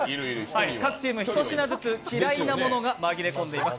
各チーム１品ずつ嫌いなものが紛れ込んでいます。